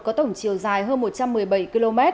có tổng chiều dài hơn một trăm một mươi bảy km